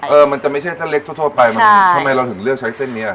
เออมันจะไม่ใช่เส้นเล็กทั่วไปมันทำไมเราถึงเลือกใช้เส้นนี้